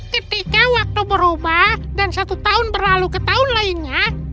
ketika waktu berubah dan satu tahun berlalu ke tahun lainnya